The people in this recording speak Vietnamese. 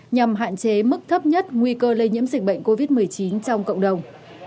nhằm hạn chế mức thấp nhất nguy cơ lây nhiễm dịch bệnh covid một mươi chín trong cộng đồng